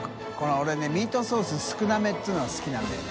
俺ねミートソース少なめていうのが好きなんだよね。